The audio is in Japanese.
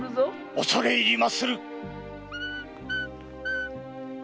おそれ入りまする。